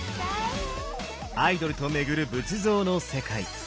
「アイドルと巡る仏像の世界」